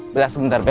bela sementar bela